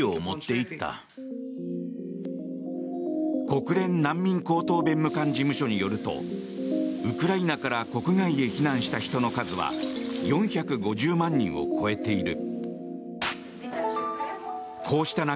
国連難民高等弁務官事務所によるとウクライナから国外へ避難した人の数は４５０万人を超えている。